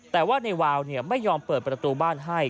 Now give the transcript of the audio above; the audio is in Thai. แต่ว่าในวาวไม่ยอมเปิดประตูบ้านให้